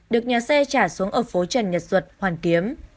được nhà xe trả xuống ở phố trần nhật duật hoàn kiếm